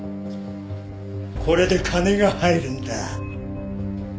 これで金が入るんだ。